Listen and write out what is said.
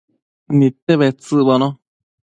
Nidte bedtsëcbono